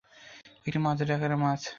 একটি মাঝারি আকারের মাছ।